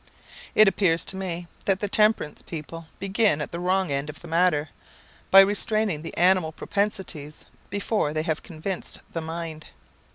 It appears to me that the temperance people begin at the wrong end of the matter, by restraining the animal propensities before they have convinced the mind.